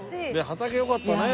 畑よかったね。